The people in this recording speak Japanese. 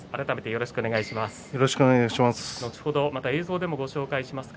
よろしくお願いします。